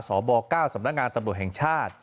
สบ๙สำนักงานตำรวจแห่งชาติ